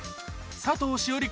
佐藤栞里